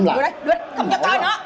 có mấy phút nữa hà